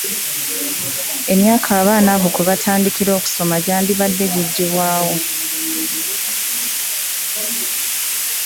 Emyaka abaana bano kwe batandikira okusoma gyandibadde giggibwawo.